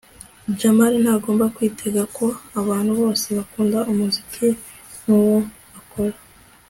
jamali ntagomba kwitega ko abantu bose bakunda umuziki nkuwo akora